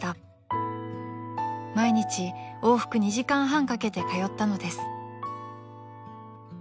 ［毎日往復２時間半かけて通ったのです］